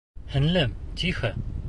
Һеңлем, тихо!